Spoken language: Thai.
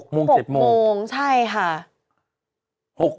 ๖โมง๗โมงใช่ค่ะ๖โมง